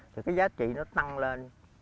thì cái giá trị nó tăng lên